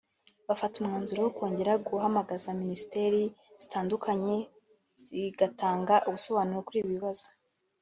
bafata umwazuro wo kongera guhagamagaza Minisiteri zitandukanye zigatanga ibisobanuro kuri ibi bibazo